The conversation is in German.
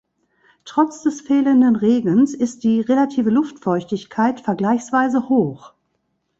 Trotz des fehlenden Regens ist die relative Luftfeuchtigkeit vergleichsweise hoch.